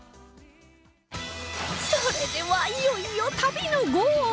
それではいよいよ旅のゴール！